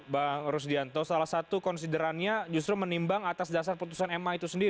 bang rusdianto salah satu konsiderannya justru menimbang atas dasar perusahaan